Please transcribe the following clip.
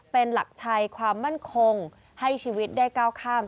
เป็นหลักชัยความมั่นคงให้ชีวิตได้ก้าวข้าม